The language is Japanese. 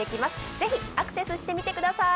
ぜひアクセスしてみてください。